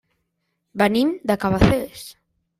Venim de Cabacés.